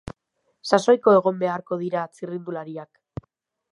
Sasoiko egon beharko dira txirrindulariak.